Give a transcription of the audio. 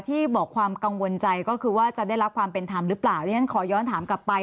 ที่บอกความกังวลใจก็คือว่าจะได้รับความเป็นธรรมหรือเปล่าเรียนขอย้อนถามกลับไป